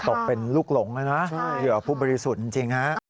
ตกเป็นลูกหลงนะเหยื่อผู้บริสุทธิ์จริงฮะ